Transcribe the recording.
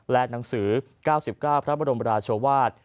และหนังสือ๙๙พระบรมราชวาส